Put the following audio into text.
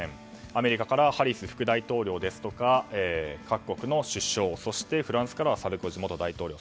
アメリカからハリス副大統領ですとか各国の首相やフランスからはサルコジ元大統領。